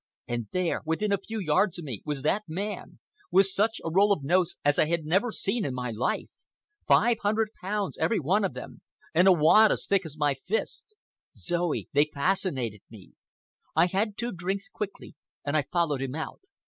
And there, within a few yards of me, was that man, with such a roll of notes as I had never seen in my life. Five hundred pounds, every one of them, and a wad as thick as my fists. Zoe, they fascinated me. I had two drinks quickly and I followed him out.